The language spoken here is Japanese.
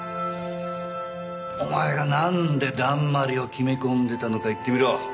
お前がなんでだんまりを決め込んでたのか言ってみろ。